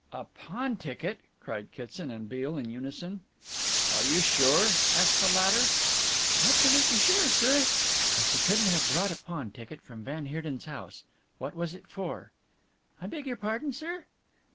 "A pawn ticket!" cried Kitson and Beale in unison. "Are you sure?" asked the latter. "Absolutely sure, sir." "But she couldn't have brought a pawn ticket from van Heerden's house. What was it for?" "I beg your pardon, sir."